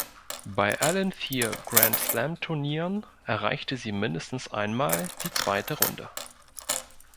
Bei allen vier Grand-Slam-Turnieren erreichte sie mindestens einmal die zweite Runde.